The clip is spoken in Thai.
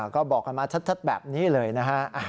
ก็บอกกันมาชัดแบบนี้เลยนะฮะ